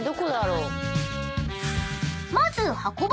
［まず］